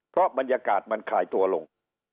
เพราะบรรยากาศมันคลายตัวลง